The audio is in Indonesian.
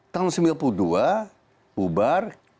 tahun seribu sembilan ratus sembilan puluh dua bubar